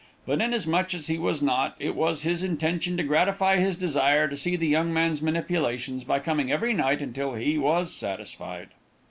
But, inasmuch as he was not, it was his intention to gratify his desire to see the young man's manipulations by coming every night until he was satisfied.